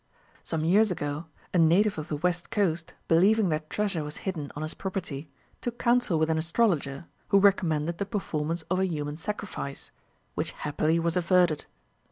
Some years ago, a Native of the west coast, believing that treasure was hidden on his property, took council with an astrologer, who recommended the performance of a human sacrifice, which happily was averted.